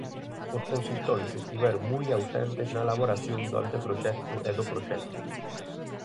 Os consistorios estiveron moi ausentes na elaboración do anteproxecto e do proxecto.